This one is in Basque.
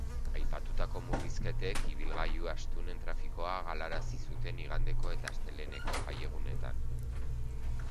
Aipatutako murrizketek ibilgailu astunen trafikoa galarazi zuten igandeko eta asteleheneko jaiegunetan.